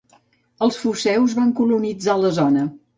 Els foceus van colonitzar la zona.